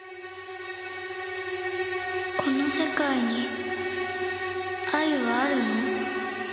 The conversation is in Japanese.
この世界に愛はあるの？